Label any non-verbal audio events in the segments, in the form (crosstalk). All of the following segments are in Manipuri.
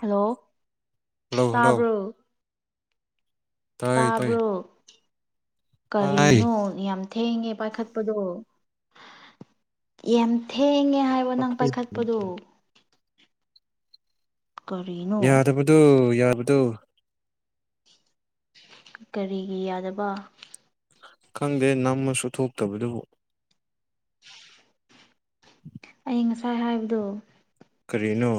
ꯍꯜꯂꯣ ꯍꯜꯂꯣ ꯍꯜꯂꯣ ꯇꯥꯕ꯭ꯔꯣ ꯇꯥꯏ ꯇꯥꯏ ꯇꯥꯕ꯭ꯔꯣ ꯇꯥꯏ ꯀꯔꯤꯅꯣ ꯌꯥꯝ ꯊꯦꯡꯉꯦ ꯄꯥꯏꯈꯠꯄꯗꯣ ꯌꯥꯝ ꯊꯦꯡꯉꯦ ꯍꯥꯏꯕ ꯍꯣ ꯅꯪ ꯄꯥꯏꯈꯠꯄꯗꯣ ꯀꯔꯤꯅꯣ ꯌꯥꯗꯕꯗꯣ ꯌꯥꯕꯗꯨ ꯀꯔꯤꯒꯤ ꯌꯥꯗꯕ ꯈꯪꯗꯦ ꯅꯃꯁꯨ ꯊꯣꯛꯇꯕꯗꯨꯕꯨ ꯑꯩ ꯉꯁꯥꯏ ꯍꯥꯏꯕꯗꯣ ꯀꯔꯤꯅꯣ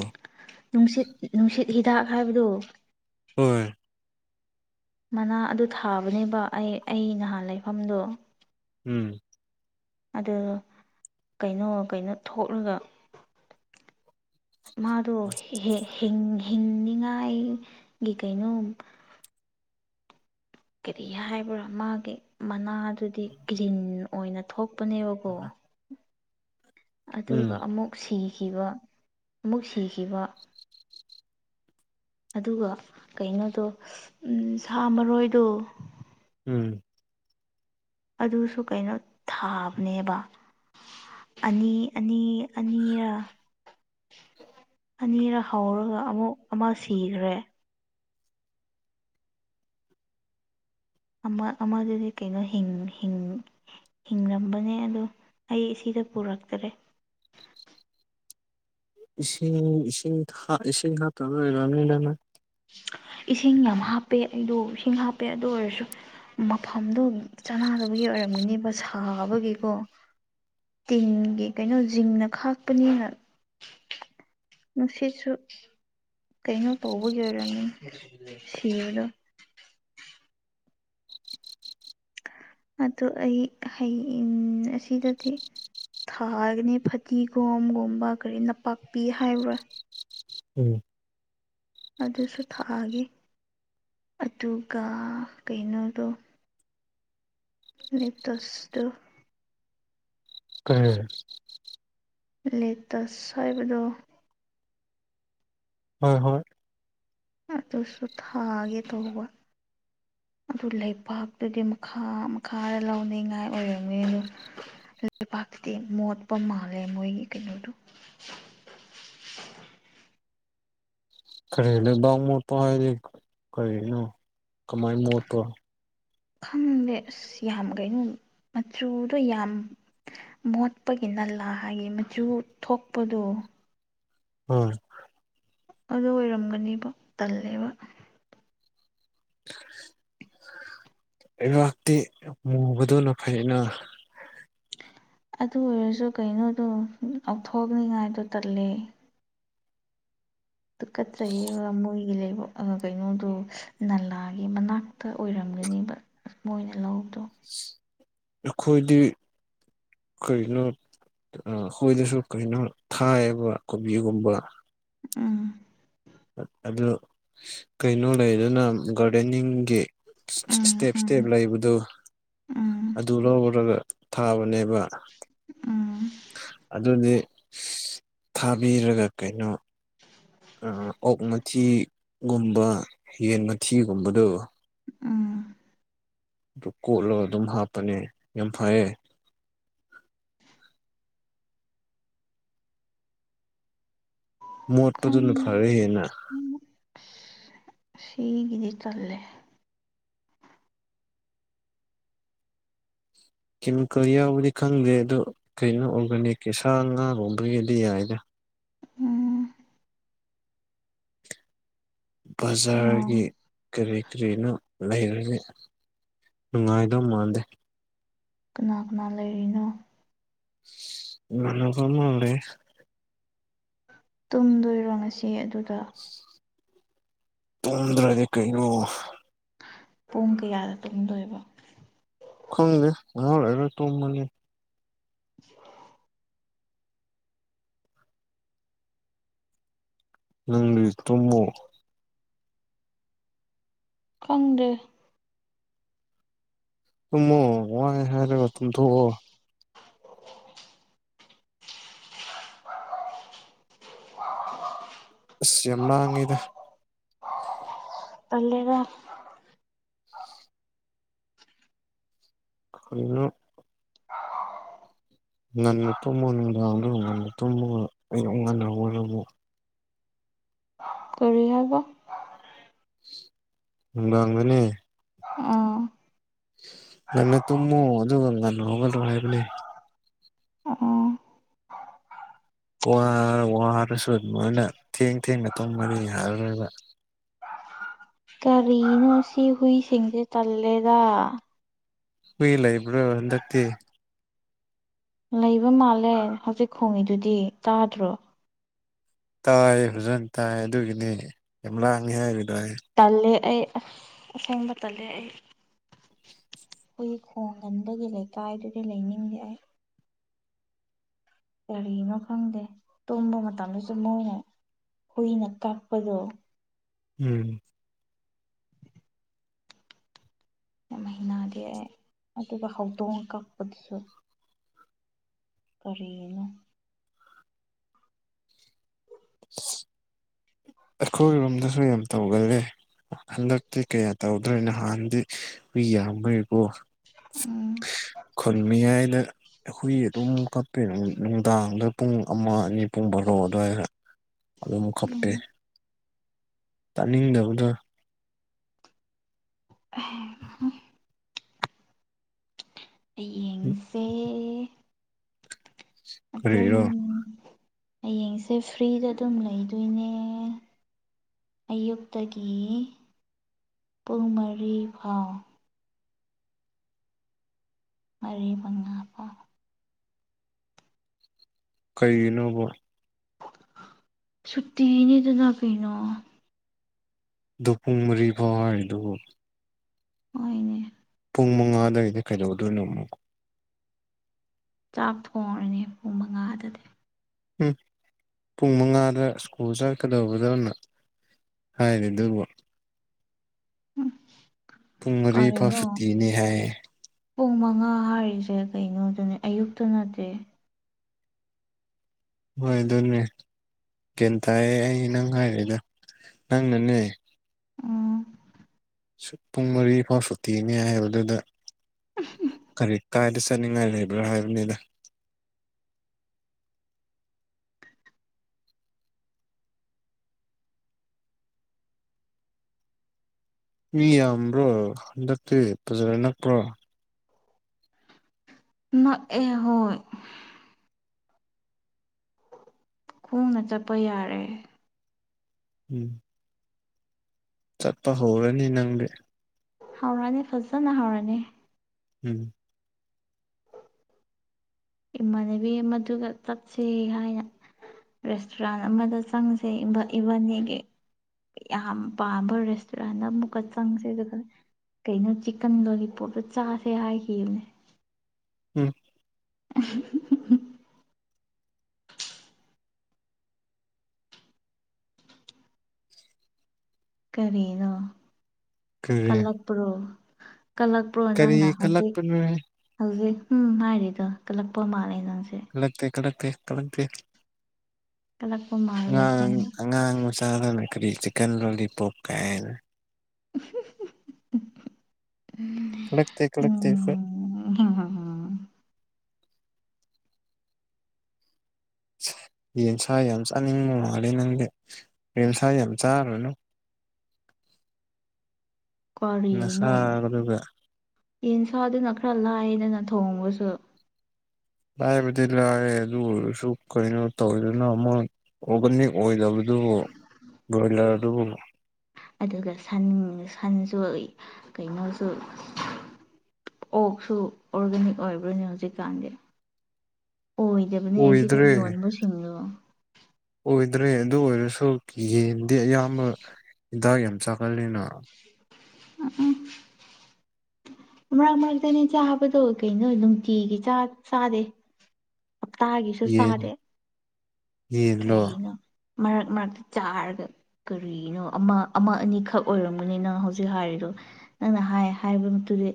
ꯅꯨꯡꯁꯤꯠ ꯅꯨꯡꯁꯤꯠ ꯍꯤꯗꯥꯛ ꯍꯥꯏꯕꯗꯨ ꯍꯣꯏ ꯃꯅꯥ ꯑꯗꯨ ꯊꯥꯕꯅꯦꯕ ꯑꯩ ꯑꯩ ꯅꯍꯥꯟ ꯂꯩꯐꯝꯗꯣ ꯎꯝ ꯑꯗꯨ ꯀꯩꯅꯣ ꯀꯩꯅꯣ ꯊꯣꯛꯂꯒ ꯃꯥꯗꯣ ꯍꯤꯡ ꯍꯤꯡꯅꯤꯉꯥꯏ ꯒꯤ ꯀꯩꯅꯣ ꯀꯔꯤ ꯍꯥꯏꯕ꯭ꯔꯥ ꯃꯥꯒꯤ ꯃꯅꯥꯗꯨꯗꯤ ꯀ꯭ꯔꯤꯟ ꯑꯣꯏꯅ ꯊꯣꯛꯄꯅꯦꯕꯀꯣ ꯎꯝ ꯑꯗꯨꯒ ꯑꯃꯨꯛ ꯁꯤꯈꯤꯕ ꯑꯃꯨꯛ ꯁꯤꯈꯤꯕ ꯑꯗꯨꯒ ꯀꯩꯅꯣꯗꯣ ꯁꯥ ꯃꯔꯣꯏꯗꯣ ꯎꯝ ꯑꯗꯨꯁꯨ ꯀꯩꯅꯣ ꯊꯥꯕꯅꯦꯕ ꯑꯅꯤ ꯑꯅꯤ ꯑꯅꯤꯔ ꯑꯅꯤꯔꯛ ꯍꯧꯔꯒ ꯑꯃꯨꯛ ꯑꯃ ꯁꯤꯈ꯭ꯔꯦ ꯑꯃ ꯑꯃꯗꯨꯗꯤ ꯀꯩꯅꯣ ꯍꯤꯡ ꯍꯤꯡ ꯍꯤꯡꯂꯝꯕꯅꯦ ꯑꯗꯣ ꯑꯩ ꯁꯤꯗ ꯄꯨꯔꯛꯇꯔꯦ ꯏꯁꯤꯡ ꯏꯁꯤꯡ ꯏꯁꯤꯡ ꯍꯞꯇꯕꯩ ꯑꯣꯏꯔꯝꯅꯤꯗꯅ ꯏꯁꯤꯡ ꯌꯥꯝ ꯍꯥꯞꯄꯦ ꯑꯩꯗꯣ ꯏꯁꯤꯡ ꯍꯥꯞꯄꯦ ꯑꯗꯨ ꯑꯣꯏꯔꯁꯨ ꯃꯐꯝꯗꯣ ꯆꯅꯗꯕꯒꯤ ꯑꯣꯏꯔꯝꯒꯅꯦꯕ ꯁꯥꯕꯒꯤꯀꯣ ꯇꯤꯟꯒꯤ ꯀꯩꯅꯣ ꯖꯤꯡꯅ ꯈꯥꯛꯄꯅꯤꯅ ꯉꯥꯁꯤꯁꯨ ꯀꯩꯅꯣ ꯇꯧꯕꯒꯤ ꯑꯣꯏꯔꯝꯅꯤ ꯁꯤꯕꯗꯣ ꯑꯗꯨ ꯑꯩ ꯍꯌꯦꯟ ꯑꯁꯤꯗꯗꯤ ꯊꯥꯒꯅꯤ ꯐꯗꯤꯒꯣꯝꯒꯨꯝꯕ ꯀꯔꯤ ꯅꯄꯥꯛꯄꯤ ꯍꯥꯏꯕ꯭ꯔꯥ ꯎꯝ ꯑꯗꯨꯁꯨ ꯊꯥꯑꯒꯦ ꯑꯗꯨꯒ ꯀꯩꯅꯣꯗꯣ ꯂꯦꯛꯇꯁꯇꯨ ꯀꯩ ꯂꯦꯛꯇꯁ ꯍꯥꯏꯕꯗꯣ ꯍꯣꯏ ꯍꯣꯏ ꯑꯗꯨꯁꯨ ꯊꯥꯒꯦ ꯇꯧꯕ ꯑꯗꯨ ꯂꯩꯄꯥꯛꯇꯨꯗꯤ ꯃꯈꯥ ꯃꯈꯥꯗ ꯂꯧꯅꯤꯡꯉꯥꯏ ꯑꯣꯏꯔꯝꯅꯤ ꯑ ꯑꯗꯨ ꯂꯩꯕꯥꯛꯇꯗꯤ ꯃꯣꯠꯄ ꯃꯥꯜꯂꯦ ꯃꯣꯏꯒꯤ ꯀꯩꯅꯣꯗꯨ ꯀꯔꯤ ꯂꯩꯕꯥꯛ ꯃꯣꯠꯄ ꯍꯥꯏꯔꯤ ꯀꯔꯤꯅꯣ ꯀꯃꯥꯏꯅ ꯃꯣꯠꯄ꯭ꯔꯣ ꯈꯪꯗꯦ ꯑꯁ ꯌꯥꯝ ꯀꯩꯅꯣ ꯃꯆꯨꯗꯣ ꯌꯥꯝ ꯃꯣꯠꯄꯒꯤ ꯅꯜꯂꯥ ꯍꯥꯏꯗꯤ ꯃꯆꯨ ꯊꯣꯛꯄꯗꯨ ꯑꯪ ꯑꯗꯨ ꯑꯣꯏꯔꯝꯒꯅꯦꯕꯣ ꯇꯜꯂꯦꯕ ꯂꯩꯕꯛꯇꯤ ꯃꯨꯕꯗꯨꯅ ꯐꯩꯩꯅ ꯑꯗꯨ ꯑꯣꯏꯔꯁꯨ ꯀꯩꯅꯣꯗꯣ ꯂꯧꯊꯣꯛꯅꯤꯉꯥꯏꯗꯣ ꯇꯜꯂ ꯑꯗꯨ ꯀꯠꯆꯩ ꯃꯣꯏꯒꯤ ꯂꯩꯕ ꯀꯩꯅꯣꯗꯣ ꯅꯂꯥꯒꯤ ꯃꯅꯥꯛꯇ ꯑꯣꯏꯔꯝꯒꯅꯦꯕ ꯑꯁ ꯃꯣꯏꯅ ꯂꯧꯗꯣ ꯑꯩꯈꯣꯏꯗꯤ ꯀꯩꯅꯣ ꯑꯩꯈꯣꯏꯗꯁꯨ ꯀꯩꯅꯣ ꯊꯥꯏꯌꯦꯕ ꯀꯣꯕꯤꯒꯨꯝꯕ ꯑꯥ ꯑꯗꯨ ꯀꯩꯅꯣ ꯂꯩꯗꯨꯅ ꯒꯥꯔꯗꯦꯟꯅꯤꯡꯒꯤ ꯎꯝ ꯏꯁꯇꯦꯞ ꯎꯝ ꯏꯁꯇꯦꯞ ꯂꯩꯕꯗꯨ ꯎꯝ ꯑꯗꯨ ꯂꯧꯔꯒ ꯊꯥꯕꯅꯦꯕ ꯎꯝ ꯑꯗꯨꯗꯤ ꯊꯥꯕꯤꯔꯒ ꯀꯩꯅꯣ ꯑꯣꯛ ꯃꯊꯤꯒꯨꯝꯕ ꯌꯦꯟ ꯃꯊꯤꯒꯨꯝꯕꯗꯣ ꯑꯥ ꯑꯗꯨ ꯀꯣꯠꯂꯒ ꯑꯗꯨꯝ ꯍꯥꯞꯄꯅꯦ ꯌꯥꯝ ꯐꯩꯌꯦ ꯃꯣꯠꯄꯗꯨꯅ ꯐꯔꯍꯦꯅ ꯎꯝ ꯁꯤꯒꯗꯤ ꯆꯜꯂꯦ ꯀꯦꯃꯤꯀꯦꯜ ꯌꯥꯎꯕꯗꯤ ꯈꯪꯗ꯭ꯔꯦ ꯑꯗꯣ ꯀꯩꯅꯣ ꯑꯣꯔꯒꯥꯅꯤꯛꯀꯤ ꯁꯥ ꯉꯥ ꯂꯣꯕꯒꯤꯗꯤ ꯌꯥꯏꯗꯥ ꯎꯝ ꯀꯅꯥ ꯕꯖꯥꯔꯒꯤ ꯀꯔꯤ ꯀꯔꯤꯅꯣ ꯂꯩꯔꯁꯦ ꯅꯨꯡꯉꯥꯏꯗꯧ ꯃꯥꯟꯗꯦ ꯀꯅꯥ ꯀꯅꯥ ꯂꯩꯔꯤꯅꯣ ꯃꯅ ꯀꯔꯦ ꯇꯨꯝꯗꯣꯏꯔꯣ ꯉꯁꯤ ꯑꯗꯨꯗ ꯇꯣꯡꯗ꯭ꯔꯗꯤ ꯀꯩꯅꯣ ꯄꯨꯡ ꯀꯌꯥꯗ ꯇꯣꯡꯗꯣꯏꯕ ꯈꯪꯗꯦ ꯍꯔꯔ ꯇꯣꯡꯃꯅꯤ (inaudible) ꯅꯪꯒꯤ ꯭ꯔꯣꯃ ꯈꯪꯗꯦ ꯃ ꯃ ꯍꯦꯊ ꯊ (inaudible) ꯑꯁ ꯌꯥꯝ ꯂꯥꯡꯉꯤꯗ ꯇꯜꯂꯦꯒ ꯀꯜꯂ ꯑ ꯉꯟꯅ ꯇꯨꯝꯃꯨ ꯅꯨꯡꯗꯥꯡꯗ ꯉꯟꯅ ꯇꯨꯝꯃꯒ ꯑꯌꯨꯛ ꯉꯟꯅ ꯑꯣꯏꯔꯕꯨ ꯇꯔꯤ ꯍꯥꯏꯕ ꯅꯨꯡꯗꯥꯡꯗꯅꯦ ꯑꯥ ꯉꯟꯅ ꯇꯨꯝꯃꯣ ꯑꯗꯨꯒ ꯉꯟꯅ ꯍꯧꯒꯂ꯭ꯔꯣ ꯍꯥꯏꯕꯅꯦ ꯑ ꯋꯥꯔ ꯋꯥꯔꯁꯨ ꯃꯣꯏꯅ ꯊꯦꯡ ꯊꯦꯡꯅ ꯇꯨꯝ ꯃꯔꯤ ꯍꯥꯏꯔꯣꯏꯕ ꯀꯔꯤꯅꯣ ꯑꯁꯤ ꯍꯨꯏꯁꯤꯡꯁꯦ ꯇꯂꯦꯗ ꯍꯨ ꯏꯂ ꯏꯕ꯭ꯔꯣ ꯍꯟꯗꯇ ꯂꯩꯕ ꯃꯥꯜꯂꯦ ꯍꯧꯖꯤꯛ ꯈꯣꯡꯉꯤꯗꯨꯗꯤ ꯇꯥꯗ꯭ꯔꯣ ꯇꯥꯏ ꯐꯖꯅ ꯇꯥꯏ ꯑꯗꯨꯒꯤꯅꯤ ꯌꯥꯝ ꯂꯥꯡꯉꯤ ꯍꯥꯏꯕꯗꯣ ꯑꯩ ꯇꯜꯂꯦ ꯑꯩ ꯑꯍꯣꯡꯕ ꯇꯜꯂꯦ ꯑꯩ ꯑꯩꯈꯣꯏꯒꯤ ꯈꯣꯡꯒꯟꯕꯒꯤ ꯂꯩꯀꯥꯏꯗꯨꯗꯤ ꯂꯩꯅꯤꯡꯗꯦ ꯑꯩ ꯀꯔꯤꯅꯣ ꯈꯪꯗꯦ ꯇꯨꯝꯕ ꯃꯇꯝꯗꯁꯨ ꯃꯣꯏꯅ ꯍꯨꯏꯅ ꯀꯛꯄꯗꯣ ꯎꯝ ꯃꯍꯤꯅꯥꯗꯤ ꯑꯩ ꯑꯗꯨꯒ ꯍꯧꯗꯣꯡ ꯀꯛꯄꯗꯨꯁꯨ ꯀꯔꯤꯅ ꯑꯩꯈꯣꯏꯔꯣꯝꯗꯁꯨ ꯌꯥꯝ ꯇꯧꯒꯜꯂꯦ ꯍꯟꯗꯛꯇꯤ ꯀꯌꯥ ꯇꯧꯗ꯭ꯔꯦ ꯅꯍꯥꯟꯗꯤ ꯍꯨꯏ ꯌꯥꯝꯕꯒꯤꯀꯣ ꯎꯝ ꯈꯨꯟ ꯃꯌꯥꯏꯗ ꯍꯨꯏ ꯑꯗꯨꯝ ꯀꯞꯄꯦ ꯎꯝ ꯅꯨꯡꯗꯥꯡꯗ ꯄꯨꯡ ꯑꯃ ꯑꯅꯤ ꯄꯨꯡ ꯕꯥꯔꯣ ꯑꯗꯨꯋꯥꯏꯔ ꯑꯗꯨꯝ ꯈꯞ__ ꯎꯝ ꯇꯥꯅꯤꯡꯗꯕꯅ (unintelligible) ꯑꯩ ꯌꯦꯡꯁꯦ ꯑꯗꯨꯝ ꯀꯔꯤꯔꯣ ꯑꯌꯦꯡꯁꯦ ꯐ꯭ꯔꯤꯗ ꯑꯗꯨꯝ ꯂꯩꯗꯣꯏꯅꯦ ꯑꯌꯨꯛꯇꯒꯤ ꯄꯨꯡ ꯃꯔꯤ ꯐꯥꯎ ꯃꯔꯤ ꯃꯉꯥ ꯐꯥꯎ ꯀꯔꯤꯒꯤꯅꯣꯕ ꯁꯨꯇꯤꯅꯤꯗꯅ ꯀꯩꯅꯣ ꯗꯨ ꯄꯨꯡ ꯃꯔꯤ ꯐꯥꯎ ꯍꯥꯏꯔꯤꯗꯨꯕꯨ ꯍꯣꯏꯅꯦ ꯄꯨꯡ ꯃꯉꯥꯗꯒꯗꯤ ꯀꯩꯗꯧꯗꯣꯏꯅꯣ ꯑꯃꯨꯛ ꯆꯥꯛ ꯊꯣꯡꯔꯅꯤ ꯄꯨꯡ ꯃꯉꯥꯗꯗꯤ ꯎꯝ ꯄꯨꯡ ꯃꯉꯥꯗ ꯁ꯭ꯀꯨꯜ ꯆꯠꯀꯗꯧꯕ ꯅꯪꯅ ꯍꯥꯏꯔꯤꯗꯨꯕꯨ ꯎꯝ ꯄꯨꯡ ꯃꯔꯤꯐꯥꯎ ꯀꯔꯤꯅꯣ ꯁꯨꯇꯤꯅꯤ ꯍꯥꯏꯌꯦ ꯄꯨꯡ ꯃꯉꯥ ꯍꯥꯏꯔꯤꯁꯦ ꯀꯩꯅꯣꯗꯨꯅꯦ ꯑꯌꯨꯛꯇꯣ ꯅꯠꯇꯦ ꯍꯣꯏ ꯑꯗꯨꯅꯦ ꯒ꯭ꯌꯥꯟ ꯇꯥꯏꯌꯦ ꯑꯩ ꯅꯪ ꯍꯥꯏꯔꯤꯗꯣ ꯅꯪꯅꯦ ꯑꯥ ꯁꯨꯠ ꯄꯨꯡ ꯃꯔꯤ ꯐꯥꯎ ꯁꯨꯇꯤꯅꯦ ꯍꯥꯏꯕꯗꯨꯗ (unintelligible) ꯀꯔꯤ ꯀꯥꯏꯗ ꯆꯠꯅꯤꯡꯉꯥꯏ ꯂꯩꯕ꯭ꯔꯥ ꯍꯥꯏꯕꯅꯤꯗ ꯃꯤ ꯌꯥꯝꯕ꯭ꯔꯣ ꯍꯟꯗꯛꯇꯤ ꯐꯖꯅ ꯅꯛꯄ꯭ꯔꯣ ꯅꯛ ꯑꯦ ꯍꯣꯏ ꯈꯣꯡꯅ ꯆꯠꯄ ꯌꯥꯔꯦ ꯎꯝ ꯆꯠꯄ ꯍꯧꯔꯅꯤ ꯅꯪꯗꯤ ꯍꯥꯎꯔꯥꯅꯤ ꯐꯖꯅ ꯍꯥꯎꯔꯅꯤ ꯎꯝ ꯏꯃꯥꯟꯅꯕꯤ ꯃꯗꯨꯒ ꯆꯠꯁꯦ ꯍꯥꯏꯅ ꯔꯦꯁꯇꯨꯔꯥꯟ ꯑꯃꯗ ꯆꯪꯁꯦ ꯏꯕꯥ ꯏꯕꯥꯅꯤꯒꯤ ꯌꯥꯝ ꯄꯥꯝꯕ ꯔꯦꯁꯇꯨꯔꯦꯟꯗ ꯑꯃꯨꯛꯀ ꯆꯪꯁꯤ ꯑꯗꯨꯒ ꯀꯩꯅꯣ ꯆꯤꯛꯀꯟ ꯂꯣꯂꯤꯄꯣꯞꯇ ꯆꯥꯁꯦ ꯍꯥꯏꯈꯤꯕꯅꯦ ꯎꯝ (unintelligible) ꯀꯔꯤꯅꯣ ꯀꯔꯤ ꯀꯜꯂꯛꯄ꯭ꯔꯣ ꯀꯂꯛ__ ꯄ꯭ꯔꯣ ꯀꯔꯤ ꯅꯪꯅ ꯍꯧꯖꯤꯛ ꯀꯜꯂꯛꯄꯅꯣꯍꯦ ꯍꯧꯖꯤꯛ ꯍꯨꯝ ꯍꯥꯏꯔꯤꯗꯣ ꯀꯜꯂꯛꯄ ꯃꯥꯜꯂꯦ ꯅꯪꯁꯦ ꯀꯜꯂꯛꯇꯦ ꯀꯜꯂꯛꯇꯦ ꯀꯜꯂꯛꯇꯦ ꯀꯂꯛꯄ ꯃꯥꯟ__ ꯑꯉꯥꯡ ꯑꯉꯥꯡ ꯃꯆꯥ ꯅꯪꯅ ꯀꯔꯤ ꯆꯤꯛꯀꯟ ꯂꯣꯂꯤꯄꯣꯞ ꯀꯥꯏꯅ (unintelligible) ꯀꯂꯛꯇꯦ ꯀꯂꯛꯇꯦ ꯑꯈꯣꯏ (unintelligible) (unintelligible) ꯌꯦꯟꯁꯥ ꯌꯥꯝ ꯆꯥꯅꯤꯡꯕ ꯃꯥꯜꯂꯦ ꯅꯪꯗꯤ ꯔꯦꯝꯁꯥ ꯌꯥꯝ ꯆꯥꯔꯨꯅꯨ ꯀꯔꯤꯅꯣ ꯅꯁꯥꯗꯨꯒ ꯌꯦꯟꯁꯥꯗꯨꯅ ꯈꯔ ꯂꯥꯏꯌꯦꯗꯅ ꯊꯣꯡꯕꯁꯨ ꯂꯥꯏꯕꯗꯤ ꯂꯥꯏꯔꯦ ꯑꯗꯨ ꯑꯣꯏꯔꯁꯨ ꯀꯩꯅꯣ ꯇꯧꯗꯦꯅ ꯃꯣꯏ ꯑꯣꯔꯒꯥꯅꯤꯛ ꯑꯣꯏꯗꯕꯗꯨꯕꯨ ꯕꯣꯏꯂꯔ ꯑꯗꯨꯕꯨ ꯑꯗꯨꯒ ꯁꯟ ꯁꯟꯁꯨ ꯀꯩꯅꯣꯁꯨ ꯑꯣꯛꯁꯨ ꯑꯣꯔꯒꯥꯅꯤꯛ ꯑꯣꯏꯕ꯭ꯔꯥꯅꯦ ꯍꯧꯖꯤꯛꯀꯥꯟꯗꯤ ꯑꯣꯏ ꯇꯕꯅꯦ ꯁꯤꯗ ꯑꯣꯏꯗ꯭ꯔꯦ ꯌꯣꯟꯕꯁꯦ ꯑꯣꯏꯗ꯭ꯔꯦ ꯑꯗꯨ ꯑꯣꯏꯔꯁꯨ ꯌꯦꯟꯗꯤ ꯑꯌꯥꯝꯕ ꯍꯤꯗꯥꯛ ꯌꯥꯝ ꯆꯥꯒꯜꯂꯤꯅ ꯎꯝ ꯎꯝ ꯃꯔꯛ ꯃꯔꯛꯇꯅꯦ ꯆꯥꯕꯗꯣ ꯀꯩꯅꯣ ꯅꯨꯡꯇꯤꯒꯤ ꯆꯥ ꯆꯥꯗꯦ ꯍꯞꯇꯥꯒꯤꯁꯨ ꯌꯦꯟ ꯆꯥꯗꯦ ꯌꯦꯟꯂꯣ ꯀꯩꯅꯣ ꯃꯔꯛ ꯃꯔꯛꯇ ꯆꯥꯔꯒ ꯀꯔꯤꯅꯣ ꯑꯃ ꯑꯃ ꯑꯅꯤꯈꯛ ꯑꯣꯏꯔꯝꯒꯅꯤ ꯅꯪ ꯍꯧꯖꯤꯛ ꯍꯥꯏꯔꯤꯗꯣ ꯅꯪꯅ ꯍꯥꯏ ꯍꯥꯏꯕ ꯃꯇꯨꯗꯤ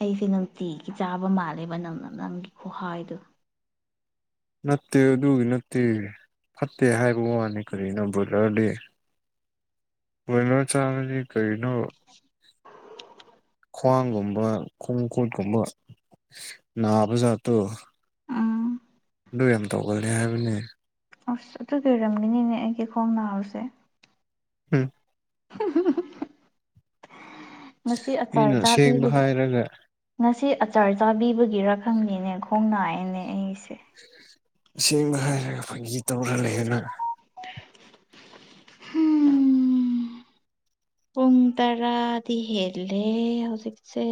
ꯑꯩꯁꯦ ꯅꯨꯡꯇꯤꯒꯤ ꯆꯥꯕ ꯃꯥꯜꯂꯦꯕ ꯅꯪꯅ ꯅꯪꯒꯤ ꯈꯨꯍꯥꯏꯗꯣ ꯅꯠꯇꯦ ꯑꯗꯨꯒꯤ ꯅꯠꯇꯦ ꯐꯠꯇꯦ ꯍꯥꯏꯕ ꯋꯥꯅꯤ ꯀꯔꯤꯅꯣ ꯕꯣꯏꯂꯔꯗꯤ ꯀꯣꯏꯂꯔ ꯆꯥꯕꯗꯤ ꯀꯩꯅꯣ ꯈ꯭ꯋꯥꯡꯒꯨꯝꯕ ꯈꯣꯡꯈꯨꯠꯀꯨꯝꯕ ꯅꯥꯕꯖꯥꯇꯨ ꯎꯝ ꯗꯨ ꯌꯥꯝ ꯇꯧꯒꯜꯂꯦ ꯍꯥꯏꯕꯅꯦ ꯑꯁ ꯑꯗꯨꯒꯤ ꯑꯣꯏꯔꯝꯃꯅꯤꯅꯦ ꯑꯩꯒꯤ ꯈꯣꯡ ꯅꯥꯕꯁꯦ ꯎꯝ ꯉꯁꯤ ꯑꯆꯥꯔ ꯃꯤꯅ ꯁꯦꯡꯕ ꯆꯥꯄꯤꯕꯒꯤ ꯍꯥꯏꯔꯒ ꯉꯁꯤ ꯑꯆꯥꯔ ꯆꯥꯕꯤꯕꯒꯤꯔ ꯈꯪꯗꯦꯅꯦ ꯈꯣꯡ ꯅꯥꯑꯦꯅꯦ ꯑꯩꯁꯦ ꯁꯦꯡꯕ ꯍꯥꯏꯔꯒ ꯐꯥꯒꯤ ꯇꯧꯔ ꯂꯩꯌꯦꯅ ꯍꯨꯝ ꯄꯨꯡ ꯇꯔꯥꯗꯤ ꯍꯦꯜꯂꯦ ꯍꯧꯖꯤꯛꯁꯦ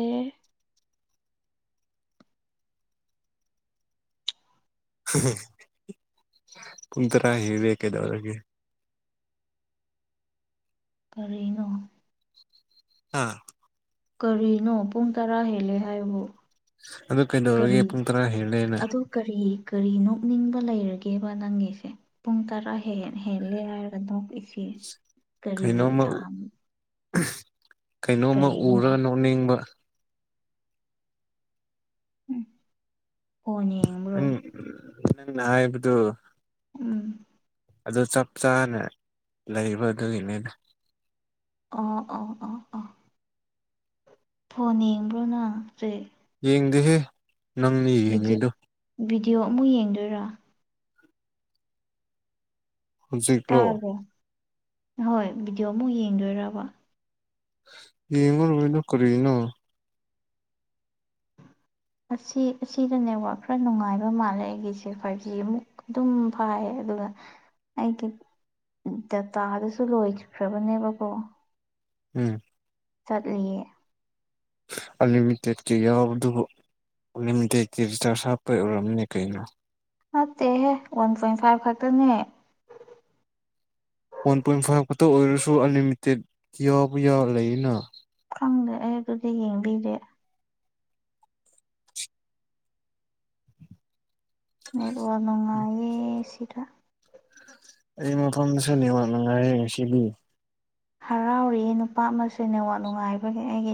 (unintelligible) ꯄꯨꯡ ꯇꯥꯔꯥ ꯍꯦꯜꯂꯦ ꯀꯩꯗꯧꯔꯒꯦ ꯀꯔꯤꯅꯣ ꯑꯥ ꯀꯔꯤꯅꯣ ꯄꯨꯡ ꯇꯔꯥ ꯍꯦꯜꯂꯦ ꯍꯥꯏꯕꯕꯨ ꯑꯗꯨ ꯀꯩꯗꯧꯔꯒꯦ ꯄꯨꯡ ꯇꯔꯥ ꯍꯦꯂꯦꯅ ꯑꯗꯨ ꯀꯔꯤ ꯀꯔꯤ ꯅꯣꯛꯅꯤꯡꯕ ꯂꯩꯔꯒꯦꯕ ꯅꯪꯒꯤꯁꯦ ꯄꯨꯡ ꯇꯔꯥ ꯍꯦ ꯍꯦꯜꯂꯦ ꯍꯥꯏꯔꯒ ꯅꯣꯛꯂꯤꯁꯦ ꯀꯩꯅꯣꯃ ꯀꯩꯅꯣꯃ ꯀꯔꯤꯅꯣ ꯎꯔ ꯅꯣꯛ ꯅꯣꯛꯅꯤꯡꯕ ꯎꯝ ꯐꯣꯟ ꯌꯦꯡꯕ꯭ꯔꯣ ꯅꯪ ꯅꯪꯅ ꯍꯥꯏꯕꯗꯨ ꯎꯝ ꯑꯗꯨ ꯆꯥꯛ ꯆꯥꯅ ꯂꯩꯕ ꯑꯗꯨꯒꯤꯅꯤꯗ ꯑꯣ ꯑꯣ ꯑꯣ ꯑꯣ ꯐꯣꯟ ꯌꯦꯡꯕ꯭ꯔꯣ ꯅꯪ ꯍꯧꯖꯤꯛ ꯌꯦꯡꯗꯦꯍꯦ ꯅꯪꯅꯤ ꯚꯤꯗꯤꯑꯣ ꯌꯦꯡꯉꯤꯗꯨ ꯚꯤꯗꯤꯑꯣ ꯑꯃꯨꯛ ꯌꯦꯡꯗꯣꯏꯔꯥ ꯍꯧꯖꯤꯛꯂꯣ ꯇꯥꯔꯕꯣ ꯍꯣꯏ ꯚꯤꯗꯤꯑꯣ ꯃꯨꯛ ꯌꯦꯡꯗꯣꯏꯔꯕ ꯌꯦꯉꯔꯣꯏꯗ ꯀꯔꯤꯅꯣ ꯑꯁꯤ ꯑꯁꯤꯗ ꯅꯦꯠꯋꯥꯛ ꯈꯔ ꯅꯨꯡꯉꯥꯏꯕ ꯃꯥꯜꯂꯦ ꯑꯩꯒꯤꯁꯦ ꯐꯥꯏꯚ ꯖꯤ ꯑꯃꯨꯛ ꯑꯗꯨꯝ ꯐꯥꯌꯦ ꯑꯗꯨꯒ ꯑꯩꯒꯤ ꯗꯇꯥꯗꯨꯁꯨ ꯂꯣꯏꯈ꯭ꯔꯕꯅꯦꯕꯀꯣ ꯎꯝ ꯆꯠꯂꯤꯌꯦ ꯑꯟꯂꯤꯃꯤꯇꯦꯠꯀꯤ ꯌꯥꯎ ꯑꯗꯨꯕꯨ ꯑꯟꯂꯤꯃꯤꯇꯦꯠꯀꯤ ꯔꯤꯆꯥꯔꯖ ꯍꯥꯞꯄꯩ ꯑꯣꯏꯔꯝꯅꯤ ꯀꯩꯅꯣ ꯅꯠꯇꯦꯍꯦ ꯋꯥꯟ ꯄꯣꯏꯟ ꯐꯥꯏꯚ ꯈꯛꯇꯅꯦ ꯋꯥꯟ ꯄꯣꯏꯟ ꯐꯥꯏꯚ ꯈꯛꯇ ꯑꯣꯏꯔꯁꯨ ꯑꯟꯂꯤꯃꯤꯇꯦꯠ ꯌꯥꯎꯕ ꯌꯥꯎ ꯂꯩꯅ ꯈꯪꯗꯦ ꯑꯩ ꯑꯗꯨꯗꯤ ꯌꯦꯡꯕꯤꯗꯦ ꯅꯦꯠꯋꯥꯛ ꯅꯨꯡ (inaudible) ꯑꯦꯁꯤꯗ ꯑꯩ ꯃꯐꯝꯗꯁꯨꯅꯤ ꯋꯥꯠꯅꯉꯥꯏꯌꯦ ꯉꯁꯤꯗꯤ ꯍꯔꯥꯎꯔꯤ ꯅꯨꯄꯥ ꯑꯃꯁꯨ ꯅꯦꯋꯥ ꯅꯨꯡꯉꯥꯏꯕꯒꯤ ꯑꯩꯒꯤ